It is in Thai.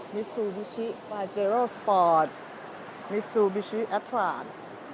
มิซูบิชิปาเจโรสปอร์ตมิซูบิชิแอตราด